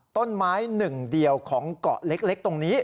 ต้นไม้หนึ่งเดียวของเกาะเล็กตรงนี้